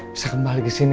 bisa kembali kesini